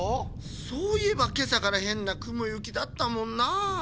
そういえばけさからへんなくもゆきだったもんなあ。